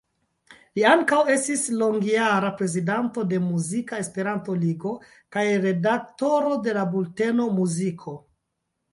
Li ankaŭ estis longjara prezidanto de Muzika Esperanto-Ligo kaj redaktoro de la bulteno "Muziko".